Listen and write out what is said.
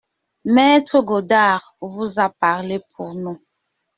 Maître Godard vous a parlé pour nous…